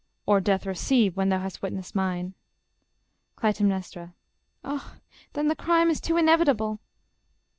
_ Or death receive; when thou hast witnessed mine. Cly. Ah, then the crime is too inevitable!